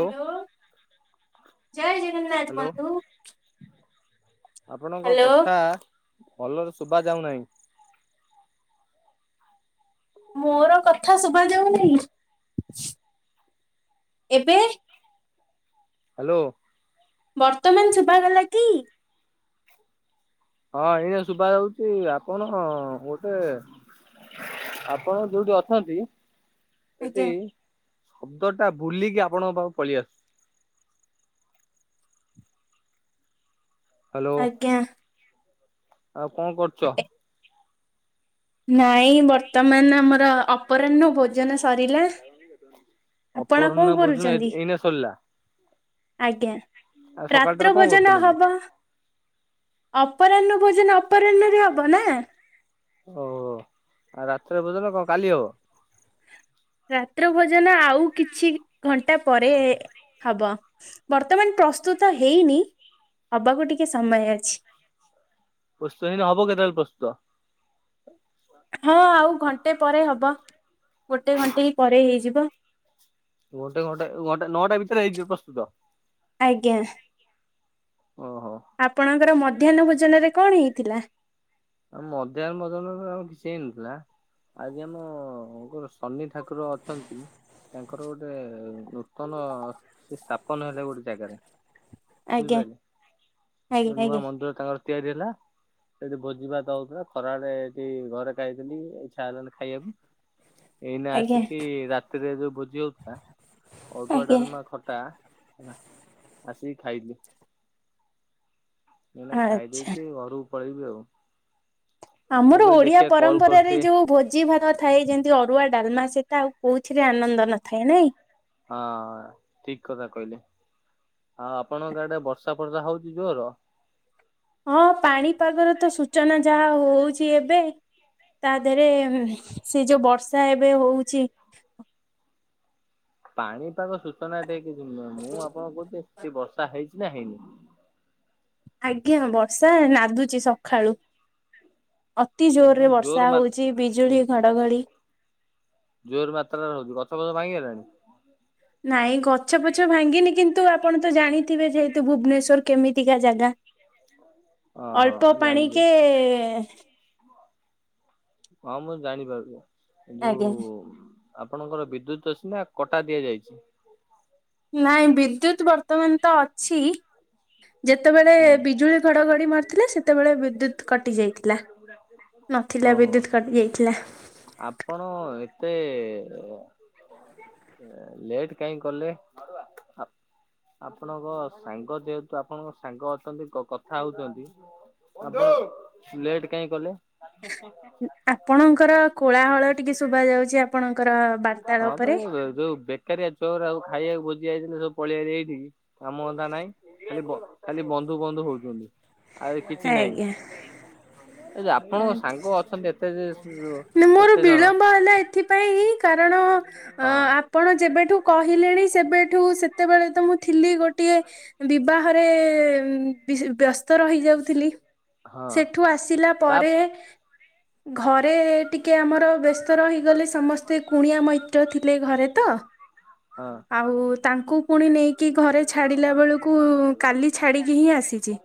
Hello ଜୟ Jagannath hello କୁହନ୍ତୁ। ଆପଣଙ୍କ ହ୍ୟାଲୋ କଥା ଭଲରେ ଶୁଭା ଯାଉନାହିଁ। ମୋର କଥା ଶୁଭା ଯାଉନାହିଁ ଏବେ। ହ୍ୟାଲୋ। ବର୍ତ୍ତମାନ ଶୁଭା ଗଲା କି? ହଁ, ଏଇ ଶୁଭା ଯାଉଛି ଆପଣ ବୋଧେ ଆପଣ ଯଉଠି ଅଛନ୍ତି। ସେଠି ଆଜ୍ଞା ଶବ୍ଦଟା ବୁଲିକି ଆପଣଙ୍କ ପାଖୁ ପଳେଇ ଆସୁଛି। ହ୍ୟାଲୋ ଆଜ୍ଞା। ଆଉ କଣ କରୁଛ? ନାଇଁ, ବର୍ତ୍ତମାନ ଆମର ଅପରାହ୍ନ ଭୋଜ ଆପଣ କଣ ଅପରାହ୍ନ ଭୋଜନ କରୁଛନ୍ତି? ଏଇନା ସରିଲା। ଆଜ୍ଞା ଆଉ ସକାଳଟାରେ ରାତ୍ର କଣ ଭୋଜନ କରୁଥିଲୁ କି ହବ। ଅପରାହ୍ନ ଭୋଜନ ଅପରାହ୍ନରେ ହବ ନା? ଓହୋ ଆଉ ରାତ୍ର ଭୋଜନ କଣ କାଲି ହବ? ରାତ୍ର ଭୋଜନ ଆଉ କିଛି ଘଣ୍ଟା ପରେ ହବ। ବର୍ତ୍ତମାନ ପ୍ରସ୍ତୁତ ହେଇନି ହବାକୁ ଟିକେ ସମୟ ଅଛି। ପ୍ରସ୍ତୁତ ହେଇନି ହବ କେତବେଳେ ପ୍ରସ୍ତୁତ? ହଁ ଆଉ ଘଣ୍ଟେ ପରେ ହବ ଗୋଟେ ଘଣ୍ଟେ ହିଁ ପରେ ହେଇଯିବ। ଗୋଟେ ଘଣ୍ଟେ ଗୋଟେ ନଅଟା ଭିତରେ ହେଇଯିବ ପ୍ରସ୍ତୁତ। ଆଜ୍ଞା। ଓହୋ। ଆପଣଙ୍କର ମଧ୍ୟାହ୍ନ ଭୋଜନରେ କଣ ହେଇଥିଲା? ମଧ୍ୟାହ୍ନ ଭୋଜନରେ ଆଉ କିଛି ହେଇନଥିଲା। ଆଉ କଣ ସନି ଠାକୁର ଅଛନ୍ତି? ତାଙ୍କର ଗୋଟେ ନୂତନ ସେ ସ୍ଥାପନ ହେଲେ ଗୋଟେ ଜାଗାରେ। ଆଜ୍ଞା ବୁଝିପାରିଲେ ଯଉ ଆଜ୍ଞା ନୂଆ ଆଜ୍ଞା ମନ୍ଦିର ତାଙ୍କର ତିଆରି ହେଲା ସେଠି ଭ ଯିବା ତା ଉତାରୁ ଖରା ଆଡ଼େ ଏଠି ଘରେ ଖାଇଥିଲି ଇଛା ହେଲାନ ଖାଇବାକୁ। ଏଇନା ଆଜ୍ଞା ଆସିକି ରାତିରେ ଯଉ ଭୋଜି ହଉଥିଲା। ଅରୁୁଆ ଆଜ୍ଞା ଡାଲମା ଖଟା ହେଲା ଆସିକି ଖାଇଲୁ। ମୁଁ ଏଇନା ଖାଇଦେଇ ଆଚ୍ଛା କି ଘରୁ ପଳେଇବି ଆଉ। ମୁଁ ଆମର କହିଲି ଓଡ଼ିଆ ଦେଖିଆ କଲ୍ ପରମ୍ପରାରେ କରିଦିଏ ଯଉ ଭୋଜି ଭାତ ଥାଏ ଯେମିତି ଅରୁଆ ଡାଲମା ସେଇଟା ଆଉ କଉଥିରେ ଆନନ୍ଦ ନଥାଏ ନାଇଁ। ହଁ ଠିକ୍ କଥା କହିଲେ। ଆଉ ଆପଣଙ୍କ ଆଡ଼େ ବର୍ଷା ଫର୍ଷା ହଉଛିି ଜୋର? ହଁ ପାଣିପାଗର ତ ସୂଚନା ଯାହା ହଉଛି। ତ ଏବେ ତା ଦେହରେ ସେ ଯଉ ବର୍ଷା ଏବେ ହଉଛି। ପାଣିପାଗ ସୂଚନା ଟେ ହେଇଚି ସିନା ମୁଁ ଆପଣ କହୁଛି ସେଠି ବର୍ଷା ହେଇଛି ନା ହେଇନି। ଆଜ୍ଞା ବର୍ଷା ରାଦୁଚି ସକାଳୁ। ଅତି ଜୋରରେ ଜୋର ବର୍ଷା ମା ହଉଛି ବିଜୁଳି ଘଡ଼ଘଡ଼ି। ଜୋର୍ ମାତ୍ରାରେ ହଉଛି ଗଛ ଫଛ ଭାଙ୍ଗିଗଲାଣି? ନାଇଁ ଗଛ ଫଛ ଭାଙ୍ଗିନି କିନ୍ତୁ ଆପଣ ତ ଜାଣିଥିବେ ଯେହେତୁ ଭୁବନେଶ୍ୱର କେମିତିକା ଜାଗା। ହଁ [inaudible] ଅଳ୍ପ ପାଣିି କେ ହଁ ମୁଁ ଜାଣିପାରୁଚି ଯଉ ଆଜ୍ଞା ଆପଣଙ୍କର ବିଦ୍ୟୁତ୍ ଅଛି ନା କଟା ଦିଆଯାଇଛି? ନାଇଁ ବିଦ୍ୟୁତ ବର୍ତ୍ତମାନ ତ ଅଛି। ଯେତେବେଳେ ହୁଁ ବିଜୁଳି ଘଡଘଡି ମାରିଥିଲେ ସେ ସେତେବେଳେ ବିଦ୍ୟୁତ କଟି ଯାଇଥିଲା ନଥିଲା ଓହୋ ବିଦ୍ୟୁତ କଟି ଯାଇଥିଲା। ଆପଣ ଏତେ ଲେଟ୍ କାହିଁକି କଲେ। ଆପଣଙ୍କ ସାଙ୍ଗ ଯେହେତୁ ଆପଣଙ୍କ ସାଙ୍ଗ ଅଛନ୍ତି କଥା ହଉଛନ୍ତି। ଲେଟ୍ କାହିଁକି କଲେ। [inaudible] ଆପଣଙ୍କର କୋଳାହଳ ଟିକେ ଶୁଭା ଯାଉଛି ଆପଣଙ୍କର ହଁ ବାର୍ତ୍ତାଳାପରେ। ଯୋଉ ବେକାରିଆ ଛୁଆ ଗୁଡା ଖାଇବାକୁ ଭୋଜି ଯାଇଥିଲେ ସବୁ ପଳେଇଆ ଏଇଠିକି କାମ ଧନ୍ଧା ନାଇଁ ଖାଲି ଖାଲି ବନ୍ଧୁ ବନ୍ଧୁ ହଉଛନ୍ତି। ଆରେ କିଛି ନାଇଁ ଆଜ୍ଞା ହେଲେ ଆପଣଙ୍କ ଆଜ୍ଞା ସାଙ୍ଗ ଅଛନ୍ତି ଏ ଏତେ ମୋର କେତେ ଜଣ? ବିଳମ୍ବ ହେଲା ଏଥିପାଇଁ କାରଣ ହଁ ଆପଣ ଯେବେଠୁ କହିଲେଣି ସେବେଠୁ ସେତେବେଳେ ତ ମୁଁ ଥିଲି ଗୋ ଗୋଟିଏ ବିବାହରେ ବ୍ୟସ୍ତ ବ୍ୟସ୍ତ ରହିଯାଉଥିଲି ହଁ ସେଠୁ ଆସିଲା ତା ପରେ ଘ ଘରେ ଟିକେ ଆମର ବ୍ୟସ୍ତ ରହିଗଲେ ସମସ୍ତେ କୁଣିଆ ମୈତ୍ର ଥିଲେ ଘରେ ତ ହଁ। ଆଉ ତାଙ୍କୁ ପୁଣି ନେଇକି ଘରେ ଛାଡିଲା ବେଳକୁ କାଲି ଛାଡ଼ିକି ହିଁ ଆସିଛି।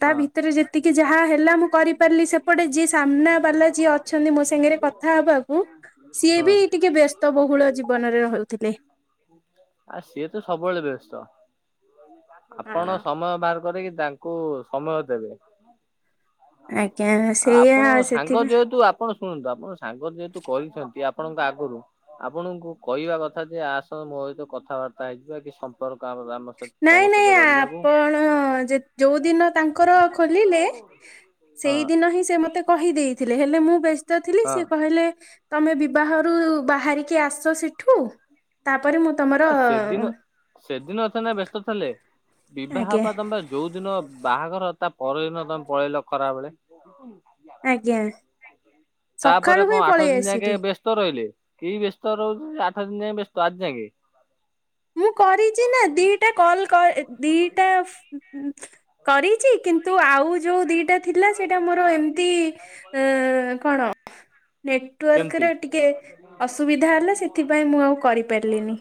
ତା ହଁ ଭିତରେ ଯେତିକି ଯାହା ହେଲା ମୁଁ କରିପାରିଲି ସେପଟେ ଯିଏ ସାମ୍ନା ବାଲା ଯିଏ ଅଛନ୍ତି ମୋ ସାଙ୍ଗରେ କଥା ହବାକୁ ସିଏ ହଁ ବି ଟିକେ ବେ ବ୍ୟସ୍ତ ବହୁଳ ଜୀବନରେ ରହୁଥିଲେ। ଆ ସିଏ ତ ସବୁବେଳେ ବ୍ୟସ୍ତ। ଆପଣ ହଁ। ସମୟ ବାହାର କରିକି ତାଙ୍କୁ ସମୟ ଦେବେ। ଆଜ୍ଞା ସେଇଆ ଆପଣ ସାଙ୍ଗ ସେଥିପାଇଁ ଯେହେତୁ ଆ ଆପଣ ଶୁଣନ୍ତୁ ଆପଣ ସାଙ୍ଗ ଯେହେତୁ କହିଛନ୍ତି ଆପଣଙ୍କ ଆଗରୁ ଆପଣଙ୍କୁ କହିବା କଥା ଯେ ଆସ ମୋ ସହିତ କଥାବାର୍ତ୍ତା ହେଇଯିବା କି ସମ୍ପର୍କ ଆମ ସହିତ ତମ ସହିତ ଗଢିବାକୁ କଣ ଯୋଉଦିନ ତାଙ୍କର ଖୋଲିଲେ ହଁ ସେଇ ଦିନ ହିଁ ସେ ମତେ କହିଦେଇଥିଲେ ହେଲେ ମୁଁ ବ୍ୟସ୍ତ ଥିଲି ହଁ ସିଏ କହିଲେ ତମେ ବିବାହରୁ ବାହାରିକି ଆସ ସେଠୁ ତାପରେ ମୋ ଆ ସେଦିନ ସେଦିନ ସିନା ବ୍ୟସ୍ତ ଥିଲେ ବିବାହ ଆଜ୍ଞା ପର୍ଯ୍ୟନ୍ତ ତ ଯୋଉଦିନ ବାହାଘର ତା ପରଦିନ ତମେ ପଳେଇଲ ଖରାବେଳେ ଆଜ୍ଞା ସକାଳୁ ତାପରେ ହିଁ କଣ ଆଠ ପଳେଇ ଦିନି ଆସିଲି ଯାକେ ବେ ବ୍ୟସ୍ତ ରହିଲେ କି ବ୍ୟସ୍ତ ରହୁଛନ୍ତି ଆଠ ଦିନି ଯାଏ ବ୍ୟସ୍ତ ଆଜି ଯାକେ ମୁଁ କରିଛି ନା ଦିଟା କଲ କଲ ଦିଟା କରିଛି କିନ୍ତୁ ଆଉ ଯୋଉ ଦିଟା ଥିଲା ସେଇଟା ମୋର ଏମିତି ଅ କଣ? କେମିତି ନେଟୱାର୍କରେ ଟିକେ ଅସୁବିଧା ହେଲା ସେଥିପାଇଁ ମୁଁ ଆଉ କରିପାରିଲିନି।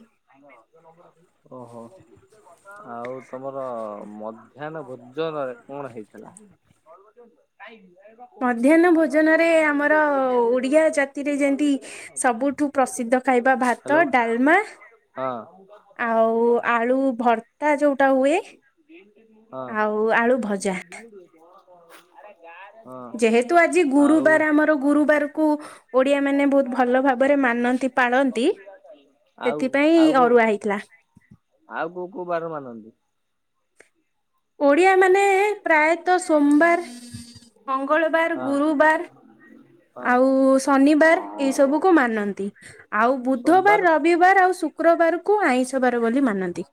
ଓହୋ ଆଉ ତମର ମ ମଧ୍ୟାହ୍ନ ଭୋଜନରେ କଣ ହେଇଥିଲା? ମଧ୍ୟାହ୍ନ ଭୋଜନରେ ଆମର ଓଡ଼ିଆ ଜାତିରେ ଯେମତି ସବୁଠୁ ପ୍ରସିଦ୍ଧ ଖାଇବା ହ୍ୟାଲୋ ଭାତ ଡାଲମା ହଁ। ତା ଯୋଉଟା ହୁଏ, ହଁ ଆଉ ଆଳୁଭଜା। ହଁ। ଯେହେତୁ ଆଜି ଆଉ ଗୁରୁବାର ଆମର ଗୁରୁବାରକୁ ଓଡ଼ିଆମାନେ ବହୁତ ଭଲ ଭାବରେ ମାନନ୍ତି ପାଳନ୍ତି ଆଉ ସେଥିପାଇଁ ଆଉ କୋଉ ଅରୁଆ ହେଇଥିଲା। ଆଉ କୋଉ କୋଉ ବାର ମାନନ୍ତି? ଓଡିଆ ମାନେ ପ୍ରାୟତଃ ସୋମବାର ମଙ୍ଗଳବାର, ହଁ ଗୁରୁବାର ହଁ। ଆଉ ଶନିବାର ଏଇ ସବୁକୁ ମାନନ୍ତି। ଆଉ ବୁଧବାର ସୋମବାର ର ରବିବାର ଆଉ ଶୁକ୍ରବାରକୁ ଆଇଁଷ ବାର ବୋଲି ମାନନ୍ତି।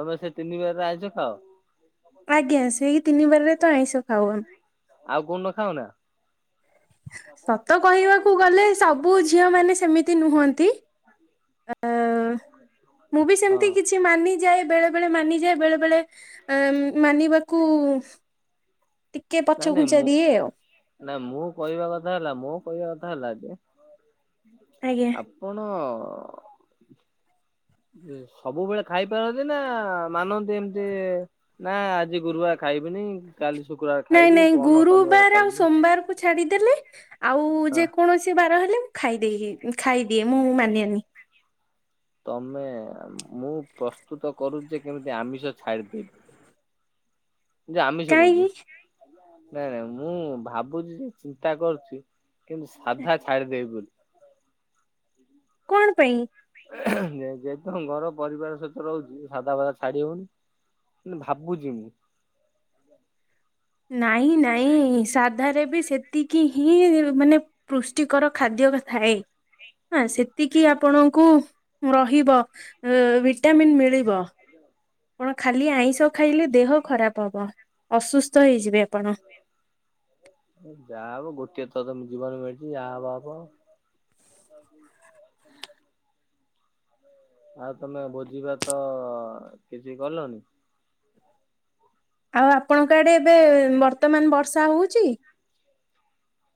ତମେ ସେ ତିନିିବାରରେ ଆଇଁଷ ଖାଅ? ଆଜ୍ଞା, ସେଇ ତିନିିବାରରେ ତ ଆଇଁଷ ଖାଉ। ଆଉ କୋଉଦିନ ଖାଉନା? ସତ କହିବାକୁ ଗଲେ ସବୁ ଝିଅମାନେ ସେମିତି ନୁହନ୍ତି। ଅ ମୁଁ ବି ସେମତି ହଁ। କିଛି ମାନି ଯାଏ ବେଳେ ବେଳେ ମାନିଯାଏ। ବେଳେ ବେଳେ ଏଁ ମାନିବାକୁ ଟିକେ ପଛ ନାଇ ନାଇଁ ଘୁଞ୍ଚା ମୁଁ ଦିଏ ଆଉ ନା ମୁଁ କହିବା କଥା ହେଲା, ମୋ କହିବା କଥା ହେଲା ଯେ ଆଜ୍ଞା। ଆପଣ ସବୁବେଳେ ଖାଇପାରନ୍ତି ନା ମାନନ୍ତି ଏମତି ନା ଆଜି ଗୁରୁବାର ଖାଇବିନି କାଲି ଶୁକ୍ରବାର ନାଇଁ ଖାଇବି ନାଇଁ ପହରଦିନ ଶନିବାର ଗୁରୁବାର ଆଉ ଖାଇବିନି ସୋମବାରକୁ ଛାଡିଦେଲେ ଆଉ ହଁ। ଯେକୌଣସି ବାର ହେଲେ ଖାଇଦେଇହୁଏ, ଖାଇଦିଏ ମୁଁ ମାନେନି। ତମେ, ମୁଁ ପ୍ରସ୍ତୁତ କରୁଚି କେମିତି ଆମିଷ ଛାଡିଦେବି। ଯେ ଆମିଷ କହୁଚି, କାହିଁକି ନାଇଁ ନାଇଁ ମୁଁ ଭାବୁଚି ଯେ ଚିନ୍ତା କରୁଚି କେମିତି ସାଧା ଛାଡି ଦେବି ବୋଲି। କଣ ପାଇଁ? ଯେହେତୁ ଆମ ଘର ପରିବାର ସହିତ ରହୁଚି ସାଦା ଫାଦା ଛାଡି ହଉନି। କିନ୍ତୁ ଭାବୁଚି ମୁଁ ନାଇଁ ନାଇଁ ସାଧାରେ ବି ସେତିକି ହିଁ ମାନେ ପୁଷ୍ଟିକର ଖାଦ୍ୟ ଥାଏ। ସେତିକି ଆପଣଙ୍କୁ ରହିବ ଅଁ ଭିଟାମିନ୍ ମିଳିବ। ଆପଣ ଖାଲି ଆଇଁଷ ଖାଇଲେ ଦେହ ଖରାପ ହବ। ଅସୁସ୍ଥ ହେଇଯିବେ ଆପଣ। ଯାହା ହବ ଗୋଟଏ ଥରତ ଜୀବନ ମିଳିଚି ଯାହା ହବ ହବ। ଆଉ ତମେ ଭୋଜିଭାତ କିଛି କଲଣି? ଆଉ ଆପଣଙ୍କ ଆଡ଼େ ଏବେ ବର୍ତ୍ତମାନ ବର୍ଷା ହଉଚି?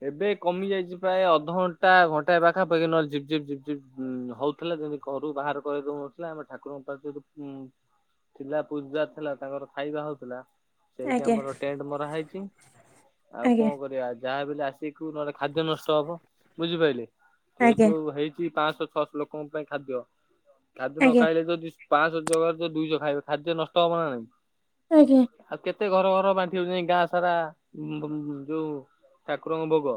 ଏବେ କମି ଯାଇଛି ପ୍ରାୟ ଅଧଘଣ୍ଟା ଘଣ୍ଟାଏ ପାଖାପାଖି ନହେଲେ ଝିପ୍ ଝିପ୍ ହଉ ଥିଲା, ଯେମିତି ଘରୁ ବାହାର କରିଦଉନଥିଲା ଆମେ ଠାକୁରଙ୍କ ପାଖରେ ଥିଲା ପୂଜା ଥିଲା ତାଙ୍କର ଖାଇବା ହଉଥିଲା। ସେଇଠି ଆଜ୍ଞା ଆମର ଟେଣ୍ଟ ମରା ହେଇଚି। ଆଉ ଆଜ୍ଞା କଣ କରିବା ଯାହା ବି ହେଲେ ସେଇଠୁ ନହେଲେ ଖାଦ୍ୟ ନଷ୍ଟ ହବ, ବୁଝିପାରିଲେ? ଆଜ୍ଞା ଯେହେତୁ ହେଇଛି ପାଞ୍ଚଶହ ଛଅଶହ ଲୋକ ଲୋକଙ୍କ ପାଇଁ ଖାଦ୍ୟ। ଖାଦ୍ୟ ନ ଆଜ୍ଞା ଖାଇଲେ ଯଦି ପାଞ୍ଚଶହ ଜାଗାରେ ଦୁଇଶହ ଖାଇବେ ଖାଦ୍ୟ ନଷ୍ଟ ହବ ନା ନାଇଁ? ଆଜ୍ଞା ଆଉ କେତେ ଘର ଘର ବାଣ୍ଟିବ ଜାଇଁକି ଗାଁ ସାରା, ଯୋଉ ଠାକୁରଙ୍କ ଭୋଗ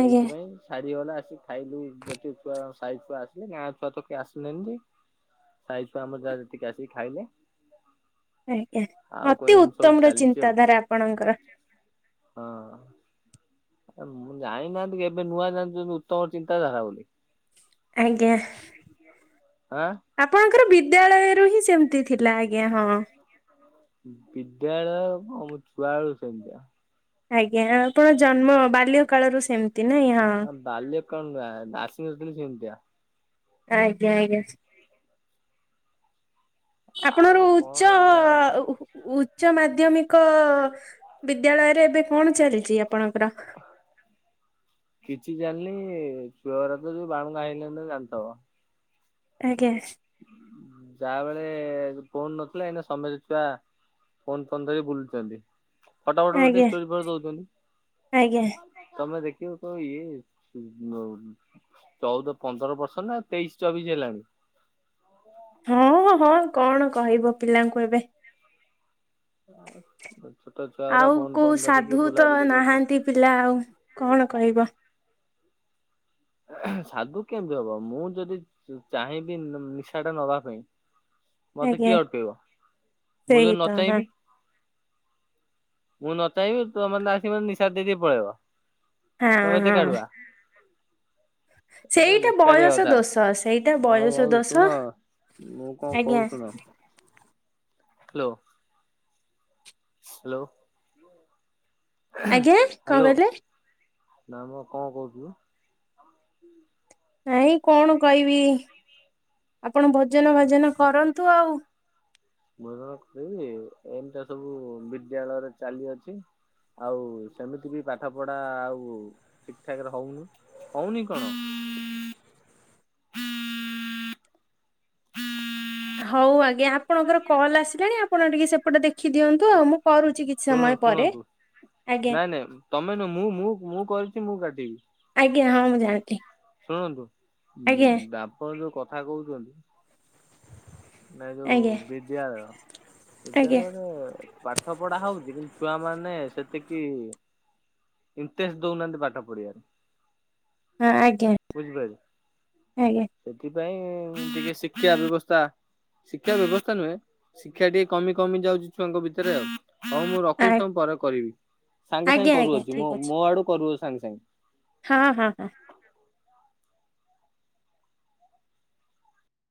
ଆଜ୍ଞା ଛାଡ଼ିଗଲା ଆସି। ଖାଇଲୁ ଯେତେ ଛୁଆ ସାାଇଛୁଆ ଆସିଲେ ଗାଁ ଛୁଆ ତ କିଏ ଆସିଲେନି ସାଇ ଛୁଆ ଆମର ଯାହା ଯେତିକି ଆସିକି ଖାଇଲେ। ଆଜ୍ଞା ଆଉ କଣ ଅତି ଏମିତି ସବୁ ଉତ୍ତମ ର ଚାଲିଛି ଆଉ ଚିନ୍ତାଧାରା ଆପଣଙ୍କର। ହଁ। ଜାଣିନାହାନ୍ତି କି ଏବେ ନୂଆ ଜାଣୁଚନ୍ତି ଉତ୍ତମ ଚିନ୍ତାଧାରା ବୋଲି। ଆଜ୍ଞା। ଆଁ ଆପଣଙ୍କର ବିଦ୍ୟାଳୟରୁ ହିଁ ସେମ୍ତି ଥିଲା ଆଜ୍ଞା ହଁ। ବିଦ୍ୟାଳୟ କଣ ମୁଁ ଛୁଆ ବେଳୁ ସେମ୍ତିଆ। ଆଜ୍ଞା ଆପଣ ଜନ୍ମ ବାଲ୍ୟ କାଳରୁ ସେମ୍ତି ନାଇଁ ହଁ। ବାଲ୍ୟ କାଳରୁ [unintelligible] ଆସି ନଥିଲି ସେମ୍ତିଆ। ଆଜ୍ଞା-ଆଜ୍ଞା। ଆପଣର ଆଉ କଣ ଉଚ୍ଚ ଏଇଆ ହଉଛି। [unintelligible] ଉଚ୍ଚ ମାଧ୍ୟମିକ ବିଦ୍ୟାଳୟରେ ଏବେ କଣ ଚାଲିଚି ଆପଣଙ୍କର? କିଛି ଜାଣିନି ଛୁଆଗୁରା ତ ଯୋଉ ବାଳୁଙ୍ଗା ହେଇଗଲେଣି ତମେ ଜାଣିଥିବ। ଆଜ୍ଞା। ଯାହା [unintelligible] ଫୋନ୍ ନଥିଲା ଏଇନା ସମସ୍ତେ ଛୁଆ ଫୋନ୍-ଫୋନ୍ ଧରି ବୁଲୁଚନ୍ତି ଫଟ-ଫଟ ଉଠେଇକି ଆଜ୍ଞା ଷ୍ଟୋରୀ ଫୋରି ଆଜ୍ଞା ଦଉଚନ୍ତି। ତମେ ଦେଖିବ କହିବ ଇଏ [unintelligible] ଚଉଦ ପନ୍ଦର ବର୍ଷ ନା ତେଇଶି ଚବିଶି ହେଲାଣି। ହଁ-ହଁ କଣ କହିବ ପିଲାଙ୍କୁ ଏବେ। ଛୋଟ ଛୁଆଗୁରା ଆଉ କୋଉ ଫୋନ୍-ଫୋନ୍ ଧରିକି ସାଧୁ ତ ବୁଲାବୁଲି କରୁଚନ୍ତି। ନାହାନ୍ତି ପିଲା ଆଉ କଣ କହିବ। ସାଧୁ କେମ୍ତି ହବ ମୁଁ ଯଦି ଚାହିଁବି ନିଶାଟା ନବା ପାଇଁ ମତେ ଆଜ୍ଞା କିଏ ଅଟକେଇବ ମୁଁ ସେଇ ଯଦି ନ ତ ହଁ ଚାହିଁବି ମୁଁ ନ ଚାହିଁବି ତୁମେ ମାନେ ଆସିକି ମତେ ନିଶା ଦେଇ-ଦେଇ ପଳେଇବ। ତମେ ଏତେ ହଁ-ହଁ। କାଢୁଆ ସେଇଟା ବେକାରିଆ ବୟସ କଥା। ଦୋଷ ସେଇଟା ବୟସ ଦୋଷ ମୁଁ କଣ ଆଜ୍ଞା କହୁଚି ଶୁଣ। ହାଲୋ। ହାଲୋ। ଆଜ୍ଞା କଣ ହାଲୋ। କହିଲେ ନାଇଁ କଣ କହିବି ଆପଣ ଭୋଜନ୍ ଭାଜନ୍ କରନ୍ତୁ ଆଉ। ଭୋଜନ୍ କରିବି ଏମ୍ତିଆ ସବୁ ବିଦ୍ୟାଳୟରେ ଚାଲି ଅଛି। ଆଉ ସେମିତି ବି ପାଠ ପଢା ଆଉ ଠିକ୍ ଠାକ୍ ରେ ହଉନି। ହଉନି କଣ। ହଉ ଆଜ୍ଞା ଆପଣଙ୍କର କଲ୍ ଆସିଲାଣି ଆପଣ ଟିକେ ସେପଟେ ଦେଖି ଦିଅନ୍ତୁ ଆଉ ମୁଁ କରୁଚି ଶୁଣ ଶୁଣନ୍ତୁ ନାଇଁ-ନାଇଁ ତମେ [unintelligible] ମୁଁ-ମୁଁ-ମୁଁ କରିଚି ମୁଁ କାଟିବି। ଆଜ୍ଞା ହଁ ମୁଁ ଜାଣିଲି। ଶୁଣନ୍ତୁ ଆଜ୍ଞା [unintelligible] ଯୋଉ କଥା କହୁଚନ୍ତି ନା ଯୋଉ ଆଜ୍ଞା ବିଦ୍ୟାଳୟ ଆଜ୍ଞା ବିଦ୍ୟାଳୟରେ ପାଠ ପଢା ହଉଚି କିନ୍ତୁ ଛୁଆ ମାନେ ସେତିକି ଇଣ୍ଟରେଷ୍ଟ ଦଉନାହାନ୍ତି ପାଠ ପଢିବାରେ। ହଁ ଆଜ୍ଞା ବୁଝିପାଇଲେ। ଆଜ୍ଞା ସେଥିପାଇଁ ଟିକେ ଶିକ୍ଷା ବ୍ୟବସ୍ଥା ଶିକ୍ଷା ବ୍ୟବସ୍ଥା ନୁହେଁ ଶିକ୍ଷା ଟିକେ କମି କମି ଯାଉଚି ଛୁଆଙ୍କ ଭିତରେ ଆଉ। ହଉ ମୁଁ ଆ- ରଖୁଚି ତମ ପରେ କରିବି ସାଙ୍ଗେ ଆଜ୍ଞା ସାଙ୍ଗେ ଆଜ୍ଞା କରୁଅଛି ମୋ ଠିକ୍ ଅଛି ମୋ ଆଡୁ କରୁଅ ସାଙ୍ଗେ ସାଙ୍ଗେ। ହଁ ହଁ ହଁ।